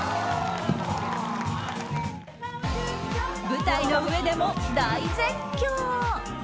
舞台の上でも大絶叫。